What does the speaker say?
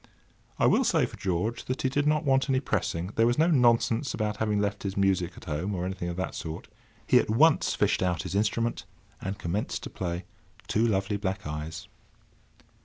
I will say for George that he did not want any pressing. There was no nonsense about having left his music at home, or anything of that sort. He at once fished out his instrument, and commenced to play "Two Lovely Black Eyes."